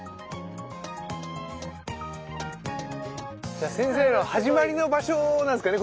じゃ先生の始まりの場所なんすかね